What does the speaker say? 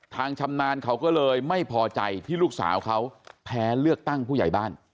ชำนาญเขาก็เลยไม่พอใจที่ลูกสาวเขาแพ้เลือกตั้งผู้ใหญ่บ้าน